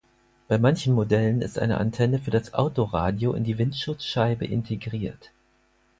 Bei manchen Modellen ist eine Antenne für das Autoradio in die Windschutzscheibe integriert.